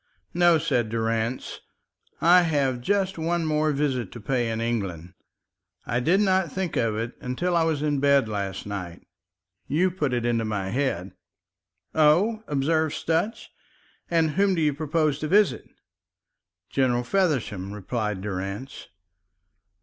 "No," said Durrance, "I have just one more visit to pay in England. I did not think of it until I was in bed last night. You put it into my head." "Oh," observed Sutch, "and whom do you propose to visit?" "General Feversham," replied Durrance.